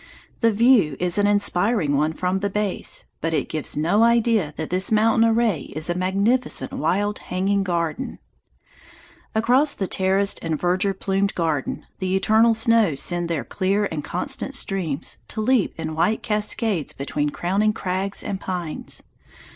The view is an inspiring one from the base, but it gives no idea that this mountain array is a magnificent wild hanging garden. Across the terraced and verdure plumed garden the eternal snows send their clear and constant streams, to leap in white cascades between crowning crags and pines.